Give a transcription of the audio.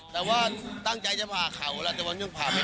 แต่ตะวันตั้งใจจะผ่ากันเข่าแล้วแต่ว่ายังผ่าไม่ได้